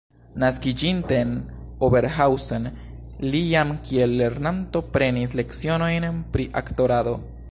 Naskiĝinte en Oberhausen, li jam kiel lernanto prenis lecionojn pri aktorado.